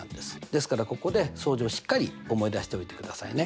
ですからここで相似をしっかり思い出しておいてくださいね。